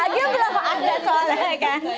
agil belum ada soalnya kan